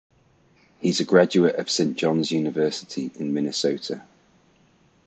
He is a graduate of Saint John's University in Minnesota.